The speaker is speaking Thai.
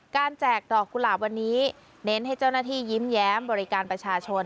แจกดอกกุหลาบวันนี้เน้นให้เจ้าหน้าที่ยิ้มแย้มบริการประชาชน